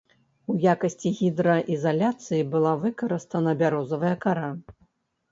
У якасці гідраізаляцыі была выкарыстана бярозавая кара.